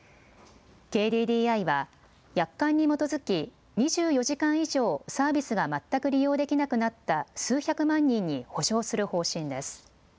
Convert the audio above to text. ＫＤＤＩは約款に基づき２４時間以上サービスが全く利用できなくなった数百万人に補償する方針です。